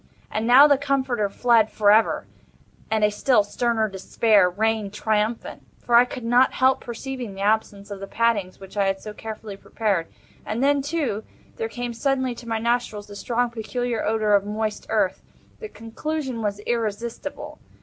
And now the Comforter fled for ever, and a still sterner Despair reigned triumphant; for I could not help perceiving the absence of the paddings which I had so carefully prepared—and then, too, there came suddenly to my nostrils the strong peculiar odor of moist earth. The conclusion was irresistible.